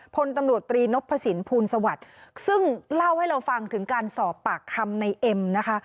พลตำรวจตรีนพสินภูลสวัสดิ์ซึ่งเล่าให้เราฟังถึงการสอบปากคำในเอ็มนะคะ